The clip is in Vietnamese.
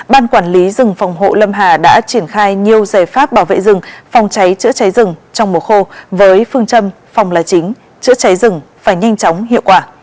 ban quản lý rừng phòng hộ lâm hà đã triển khai nhiều giải pháp bảo vệ rừng phòng cháy chữa cháy rừng trong mùa khô với phương châm phòng là chính chữa cháy rừng phải nhanh chóng hiệu quả